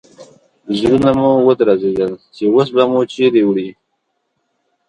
زړونه مو درزېدل چې اوس به مو چیرې وړي.